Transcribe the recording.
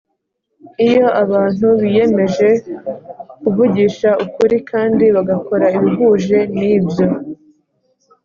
Iyo abantu biyemeje kuvugisha ukuri kandi bagakora ibihuje n ibyo